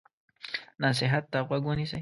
نصیحت ته غوږ ونیسئ.